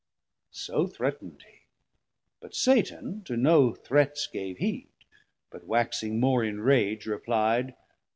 So threatn'd hee, but Satan to no threats Gave heed, but waxing more in rage repli'd.